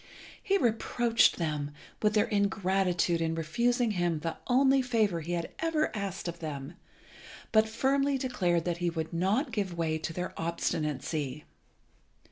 He reproached them with their ingratitude in refusing him the only favour he had ever asked of them, but firmly declared that he would not give way to their obstinacy.